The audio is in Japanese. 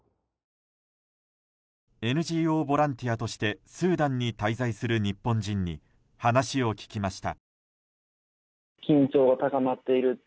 ＮＧＯボランティアとしてスーダンに滞在する日本人に話を聞きました。